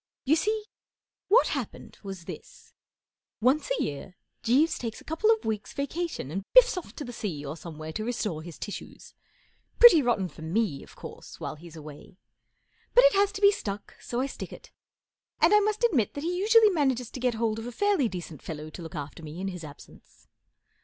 You see, what happened was this. Once a year Jeeves takes a couple of weeks' vacation and biffs off to the sea or somewhere to restore his tissues. Pretty rotten for me, of course, while he's away. But it has to be stuck, so I stick it ; and I must admit that he usually manages to get hold of a .fairly decent fellow to look after me in his absence.